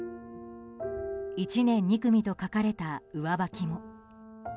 １年２組と書かれた上履きも。